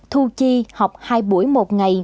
thu chi học hai buổi một ngày